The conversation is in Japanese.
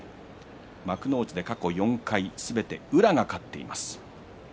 幕内では過去４回すべて宇良が勝っています。